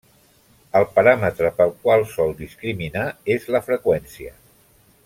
El paràmetre pel qual sol discriminar és la freqüència.